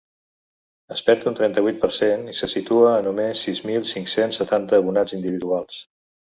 En perd un trenta-vuit per cent i se situa a només sis mil cinc-cents setanta abonats individuals.